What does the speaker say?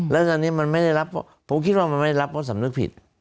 พวกเขาคิดว่ามันไม่ได้รับเพราะศำนึกผิด